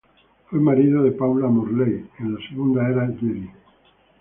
Fue marido de Paula Morley en la segunda era Jedi.